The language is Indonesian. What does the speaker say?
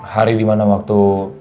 hari dimana waktu